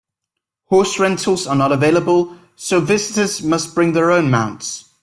Horse rentals are not available, so visitors must bring their own mounts.